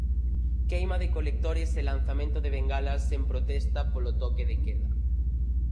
Queima de colectores e lanzamento de bengalas en protesta polo toque de queda.